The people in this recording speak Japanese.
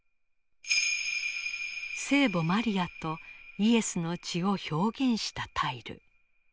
聖母マリアとイエスの血を表現したタイル。